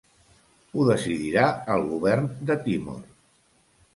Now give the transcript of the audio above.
Ho decidirà el Govern de Timor.